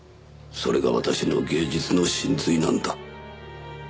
それが私の芸術の神髄なんだ。